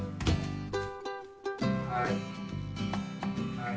はい。